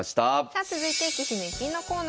さあ続いて「棋士の逸品」のコーナーです。